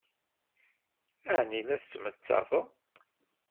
Ɛni la tettmettated?